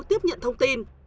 tiếp nhận thông tin